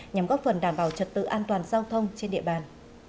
nhằm góp phần đảm bảo trật tự an toàn giao thông trên địa bàn